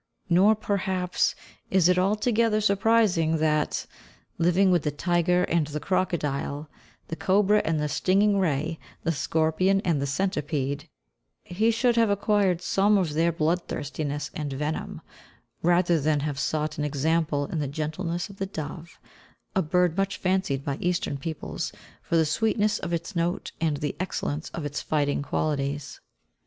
Nor, perhaps, is it altogether surprising that, living with the tiger and the crocodile, the cobra and the stinging ray, the scorpion and the centipede, he should have acquired some of their bloodthirstiness and venom, rather than have sought an example in the gentleness of the dove, a bird much fancied by Eastern peoples for the sweetness of its note and the excellence of its fighting qualities.